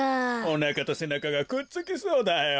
おなかとせなかがくっつきそうだよ。